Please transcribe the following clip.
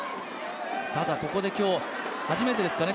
ただここで今日、初めてですかね